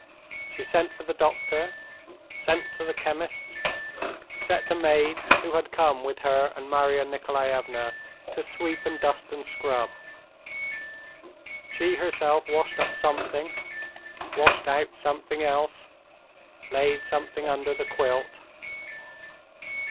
She sent for the doctor, sent to the chemist's, set the maid who had come with her and Marya Nikolaevna to sweep and dust and scrub; she herself washed up something, washed out something else, laid something under the quilt.